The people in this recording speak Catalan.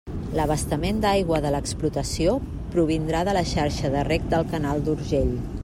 L'abastament d'aigua de l'explotació provindrà de la xarxa de reg del canal d'Urgell.